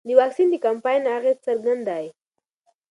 د واکسین د کمپاین اغېز څرګند دی.